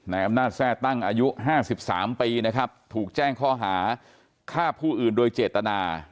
อำนาจแทร่ตั้งอายุ๕๓ปีนะครับถูกแจ้งข้อหาฆ่าผู้อื่นโดยเจตนา